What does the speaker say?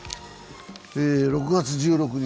６月１６日